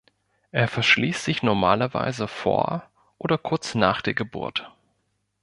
Er verschließt sich normalerweise vor oder kurz nach der Geburt.